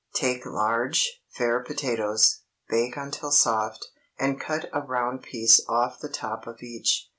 ✠ Take large, fair potatoes, bake until soft, and cut a round piece off the top of each.